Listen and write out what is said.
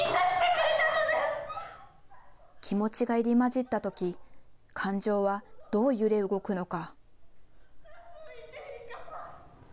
気持ちが入り交じったとき、感情はどう揺れ動くのか。